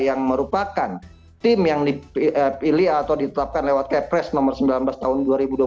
yang merupakan tim yang dipilih atau ditetapkan lewat kepres nomor sembilan belas tahun dua ribu dua puluh